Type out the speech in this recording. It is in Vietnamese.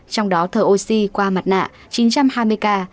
trong đó thở oxy qua mặt nạ chín trăm hai mươi ca